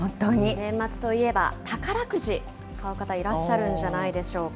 年末といえば、宝くじ、買う方いらっしゃるんじゃないでしょうか。